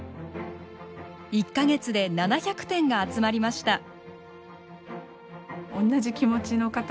１か月で７００点が集まりました。